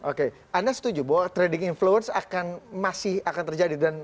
oke anda setuju bahwa trading influence ini akan berhasil mengembangkan pemerintahan yang lain